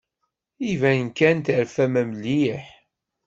Iban kan terfam mliḥ.